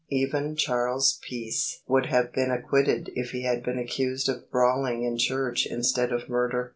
Even Charles Peace would have been acquitted if he had been accused of brawling in church instead of murder.